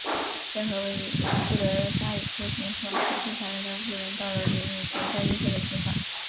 任何人不得加以酷刑,或施以残忍的、不人道的或侮辱性的待遇或刑罚。